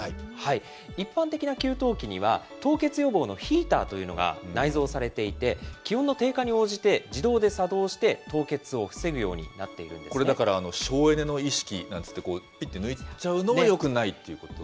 一般的な給湯器には、凍結予防のヒーターというのが内蔵されていて、気温の低下に応じて、自動で作動して凍結を防ぐようになってこれ、だから省エネの意識なんていって、ぴって抜いちゃうのはよくないということですね。